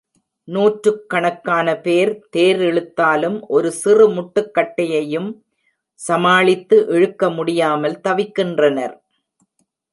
நூற்றுக்கணக்கான பேர் தேரிழுத்தாலும் ஒரு சிறு முட்டுக் கட்டையையும் சமாளித்து இழுக்க முடியாமல் தவிக்கின்றனர்.